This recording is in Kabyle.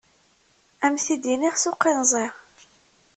Ad am t-id-iniɣ s uqinẓi.